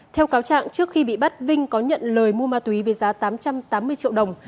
theo cáo trạng trước khi bị bắt vinh có nhận lời mua ma túy với giá tám trăm tám mươi triệu đồng